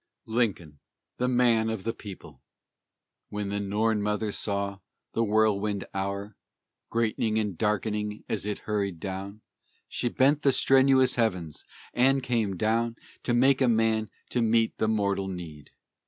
LINCOLN, THE MAN OF THE PEOPLE When the Norn Mother saw the Whirlwind Hour, Greatening and darkening as it hurried on, She bent the strenuous heavens and came down To make a man to meet the mortal need.